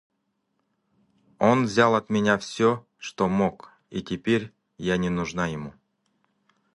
Он взял от меня всё, что мог, и теперь я не нужна ему.